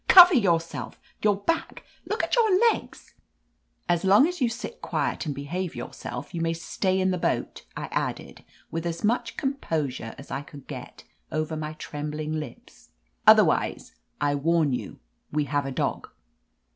''Cover your self. Your hack I Look at your legs I'' "As long as you sit quiet and behave your self, you may stay in the boat," I added with as much composure as I could get over my trem bling lips. "Otherwise, I warn you, we have a dog."